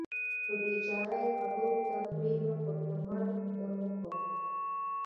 خو بېچاره یې خبرو ته پرېنښود، د مرګ د حکم.